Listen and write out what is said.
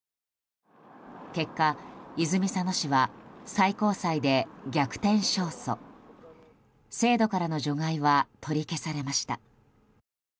結果、泉佐野市は最高裁で逆転勝訴。制度からの除外は取り消されました。